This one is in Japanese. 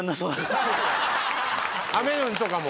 雨の日とかも。